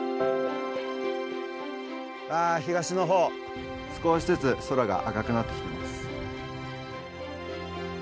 ああ東の方少しずつ空が赤くなってきてます。